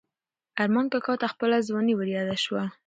ارمان کاکا ته خپله ځواني وریاده شوه.